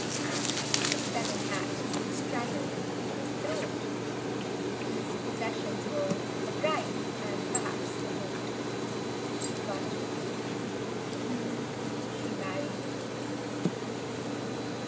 And a seven hat would straddle to his throat. His possessions were—a bride and, perhaps— a vote— But she married.